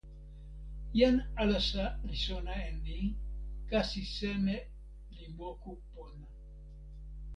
jan alasa li sona e ni: kasi seme li moku pona.